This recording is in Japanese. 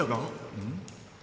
うん？